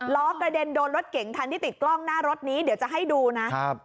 ล้อกระเด็นโดนรถเก่งคันที่ติดกล้องหน้ารถนี้เดี๋ยวจะให้ดูนะครับ